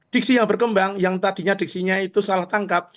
diksi yang berkembang yang tadinya diksinya itu salah tangkap